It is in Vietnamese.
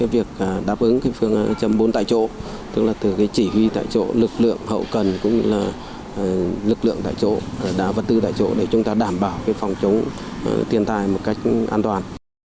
việc đáp ứng phương châm bốn tại chỗ tức là từ chỉ huy tại chỗ lực lượng hậu cần cũng như lực lượng tại chỗ đã vật tư tại chỗ để chúng ta đảm bảo phòng chống thiên tai một cách an toàn